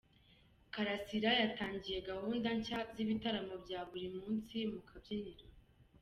Kalasira yatangiye gahunda nshya z’ibitaramo bya buri munsi Mukabyiniro